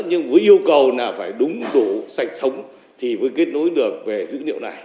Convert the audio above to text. nhưng với yêu cầu là phải đúng đủ sạch sống thì mới kết nối được về dữ liệu này